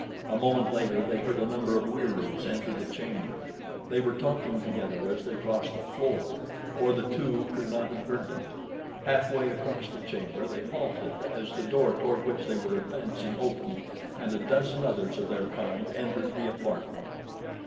A moment later they heard a number of Wieroos enter the chamber. They were talking together as they crossed the floor, or the two could not have heard them. Halfway across the chamber they halted as the door toward which they were advancing opened and a dozen others of their kind entered the apartment.